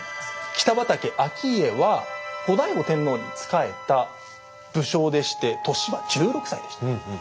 北畠顕家は後醍醐天皇に仕えた武将でして年は１６歳でした。